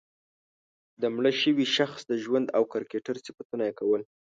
د مړه شوي شخص د ژوند او کرکټر صفتونه یې کول.